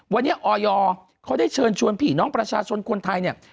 วันนี้ออยเขาได้เชิญชวนผีน้องประชาชนคนไทยเนี่ย